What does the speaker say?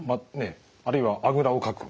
あるいはあぐらをかく。